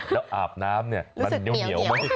แล้วอาบน้ำเนี่ย